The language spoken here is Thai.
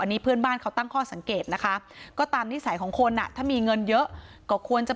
นี่เพื่อนบ้านเขาตั้งข้อสังเกตนะคะก็ตามนิสัยของคนอ่ะถ้ามีเงินเยอะก็ควรจะ